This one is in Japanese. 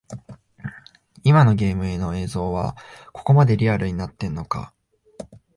今のゲームの映像はここまでリアルになってんのか